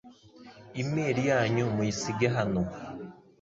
Email yanyu muyisige hano